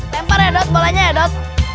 tempar ya dot bolanya ya dot